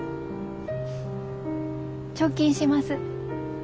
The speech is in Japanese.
貯金します。